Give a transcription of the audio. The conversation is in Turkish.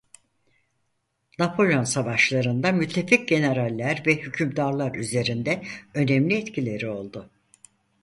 Napolyon Savaşları'nda müttefik generaller ve hükümdarlar üzerinde önemli etkileri oldu.